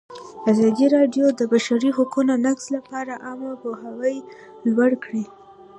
ازادي راډیو د د بشري حقونو نقض لپاره عامه پوهاوي لوړ کړی.